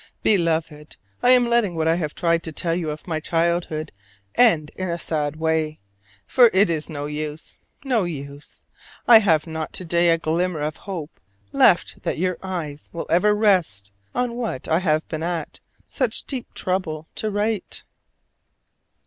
Beloved, I am letting what I have tried to tell you of my childhood end in a sad way. For it is no use, no use: I have not to day a glimmer of hope left that your eyes will ever rest on what I have been at such deep trouble to write.